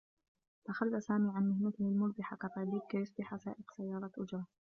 تخلّى سامي عن مهنته المربحة كطبيب كي يصبح سائق سيّارة أجرة.